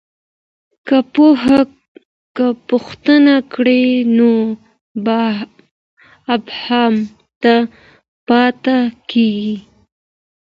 که پوښتنه کېږي نو ابهام نه پاته کېږي.